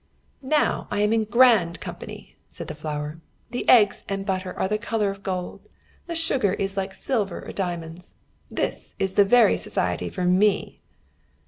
"Now I am in grand company," said the flour. "The eggs and butter are the colour of gold, the sugar is like silver or diamonds. This is the very society for me."